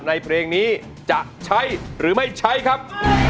ในเพลงนี้จะใช้หรือไม่ใช้ครับ